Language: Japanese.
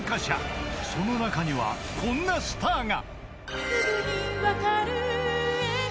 ［その中にはこんなスターが］